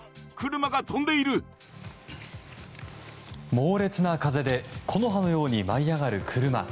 猛烈な風で木の葉のように舞い上がる車。